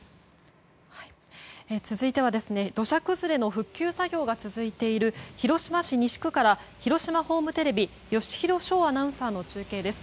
続いては土砂崩れの復旧作業が続いている広島市西区から広島ホームテレビ吉弘翔アナウンサーの中継です。